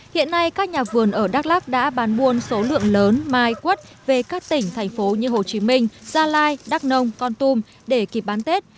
hiện nay các nhà vườn ở đắk lắc đã bán buôn số lượng lớn mai quất về các tỉnh thành phố như hồ chí minh gia lai đắk nông con tum để kịp bán tết